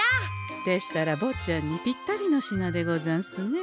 でしたらぼっちゃんにぴったりの品でござんすね。